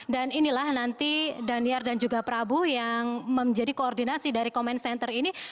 dan inilah nanti danier dan juga prabu yang menjadi koordinasi dari comment center ini